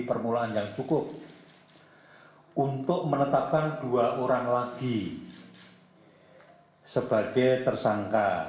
permulaan yang cukup untuk menetapkan dua orang lagi sebagai tersangka